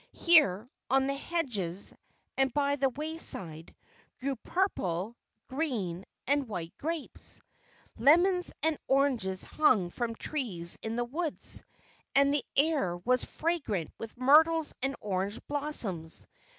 Here, on the hedges, and by the wayside, grew purple, green, and white grapes; lemons and oranges hung from trees in the woods; and the air was fragrant with myrtles and orange blossoms.